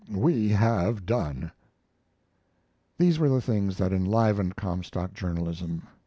We have done. These were the things that enlivened Comstock journalism.